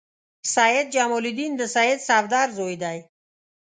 سید جمال الدین د سید صفدر زوی دی.